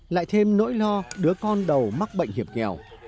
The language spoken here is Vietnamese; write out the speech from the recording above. lại thêm nỗi lo đứa con đầu mắc bệnh hiểm nghèo